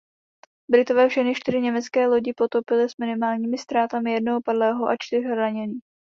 Britové všechny čtyři německé lodi potopily s minimálními ztrátami jednoho padlého a čtyř raněných.